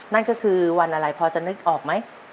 นั่นก็คือวันอะไรพอจะนึกออกไหม